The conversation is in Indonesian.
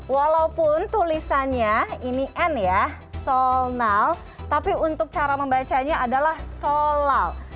walaupun tulisannya ini n ya sonal tapi untuk cara membacanya adalah solal